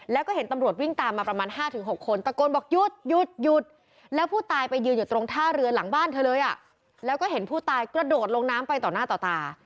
แล้วก็เห็นผู้ตายกระโดดลงน้ำไปต่อหน้าต่อตา